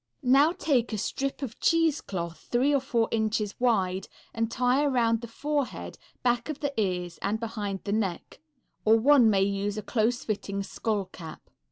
Now take a strip of cheesecloth three or four inches wide and tie around the forehead, back of the ears, and behind the neck; or one may use a close fitting skull cap.